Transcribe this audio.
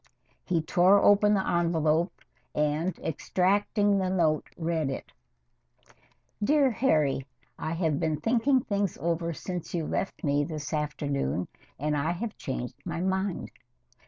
He tore open the envelope and, extracting the note, read it: Dear Harry I have been thinking things over since you left me this afternoon and I have changed my mind.